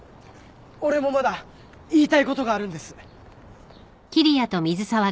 俺もまだ言いたいことがあるんです。